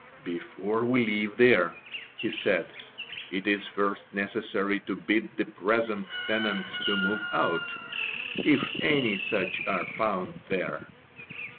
"Before we live there," he said, "it is first necessary to bid the present tenants to move out, if any such are found there."